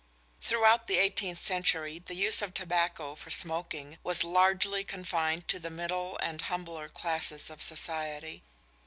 Throughout the eighteenth century the use of tobacco for smoking was largely confined to the middle and humbler classes of society.